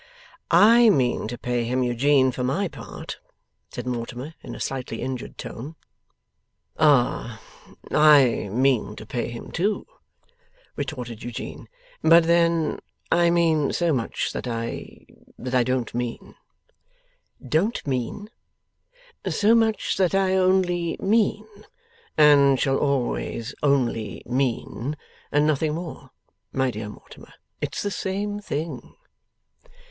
'I mean to pay him, Eugene, for my part,' said Mortimer, in a slightly injured tone. 'Ah! I mean to pay him too,' retorted Eugene. 'But then I mean so much that I that I don't mean.' 'Don't mean?' 'So much that I only mean and shall always only mean and nothing more, my dear Mortimer. It's the same thing.